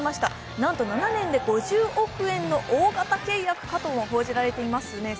なんと７年で５０億円の大型契約とも報じられています。